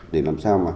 để làm sao mà có